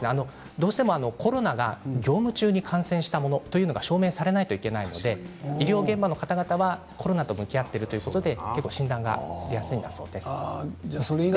どうしてもコロナが業務中に感染したものと証明されないといけないので医療現場の方々はコロナと向き合っているということで結構、診断が出やすいそうです。